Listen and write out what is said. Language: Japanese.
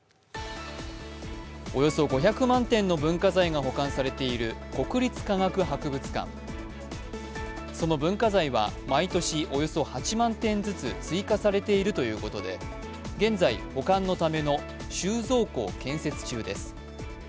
およそ５００万点の文化財が保管されている国立科学博物館、その文化財は毎年およそ８万点ずつ追加されているということで、現在、保管のための収蔵庫を建設中です。